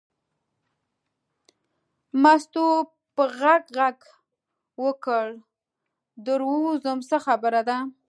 مستو په غږ غږ وکړ در وځم څه خبره ده.